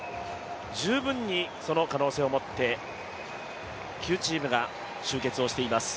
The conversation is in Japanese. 十分にその可能性を持って９チームが集結をしています。